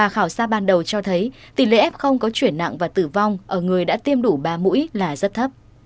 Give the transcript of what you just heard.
khảo sát ban đầu cho thấy tỷ lệ f có chuyển nặng và tử vong ở người đã tiêm đủ ba mũi là rất thấp